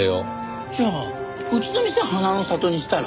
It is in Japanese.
じゃあうちの店花の里にしたら？